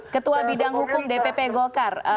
ketua bidang hukum dpp golkar